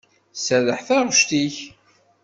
Tserreḥ taɣect-ik.